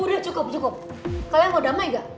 udah cukup cukup kalian mau damai nggak